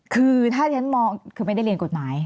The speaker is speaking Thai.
คือถ้าข้างนี้คุณไม่ได้เรียนกฎหมาย